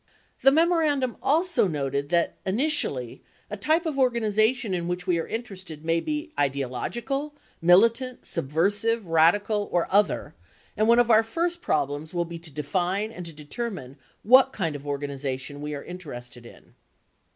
61 The memorandum also noted that initially, "a type of organization in which we are interested may be ideological, militant, subversive, radical, or other, and one of our first problems will be to define and to determine what kind of organization we are interested in."